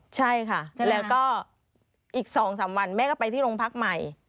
ใช่ค่ะแล้วก็อีก๒๓วันแม่ก็ไปที่โรงพักใหม่